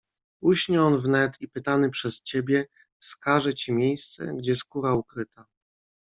"Uśnie on wnet i pytany przez ciebie, wskaże ci miejsce, gdzie skóra ukryta."